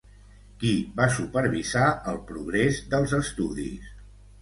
Qui va supervisar el progrés dels estudis?